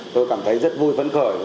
tôi cảm thấy rất vui phấn khởi